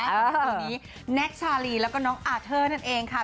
ตรงนี้แน็กซ์ชาลีแล้วก็น้องอาร์เทอร์นั่นเองค่ะ